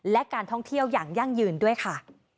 และการท่องเที่ยวอย่างยั่งยืนด้วยค่ะ